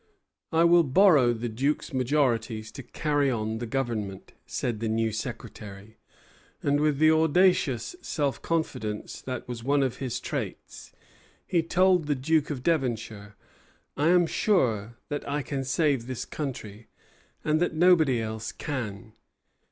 "I will borrow the Duke's majorities to carry on the government," said the new secretary; and with the audacious self confidence that was one of his traits, he told the Duke of Devonshire, "I am sure that I can save this country, and that nobody else can."